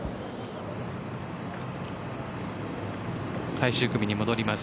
最終組に戻ります。